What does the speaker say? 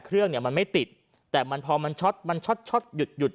เครื่องเนี่ยมันไม่ติดแต่มันพอมันช็อตมันช็อตหยุดหยุด